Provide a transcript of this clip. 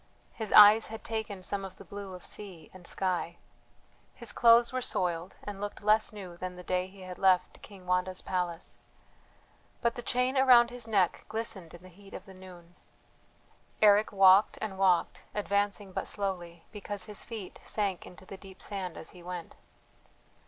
His eyes had taken some of the blue of sea and sky. His clothes were soiled, and looked less new than the day he had left King Wanda's palace. But the chain around his neck glistened in the heat of the noon. Eric walked and walked, advancing but slowly, because his feet sank into the deep sand as he went.